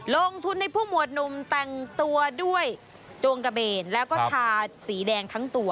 ลงทุนให้ผู้หมวดหนุ่มแต่งตัวด้วยจงกระเบนแล้วก็ทาสีแดงทั้งตัว